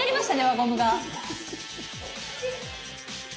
輪ゴムが。